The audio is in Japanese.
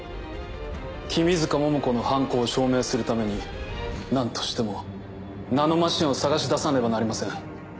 君塚桃子の犯行を証明するために何としてもナノマシンを探し出さねばなりません。